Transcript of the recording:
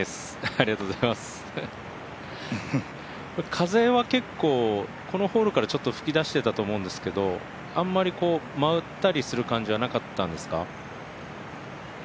風は結構、この辺から吹いてたと思うんですけどあまり舞ったりする感じはなかったんですか？